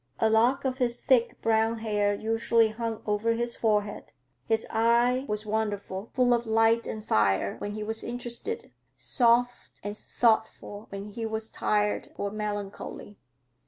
A lock of his thick brown hair usually hung over his forehead. His eye was wonderful; full of light and fire when he was interested, soft and thoughtful when he was tired or melancholy.